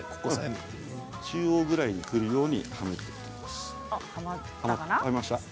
中央ぐらいにくるようにはめます。